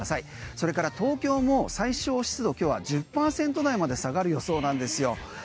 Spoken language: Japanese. それから東京も最少湿度今日は１０％台まで下がる予想なんですよ。